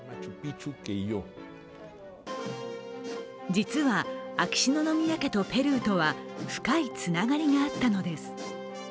実は、秋篠宮家とペルーとは深いつながりがあったのです。